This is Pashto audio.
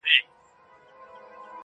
موږ د تاوان په کار کي یکایک ده ګټه کړې.